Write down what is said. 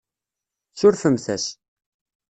Surfemt-as.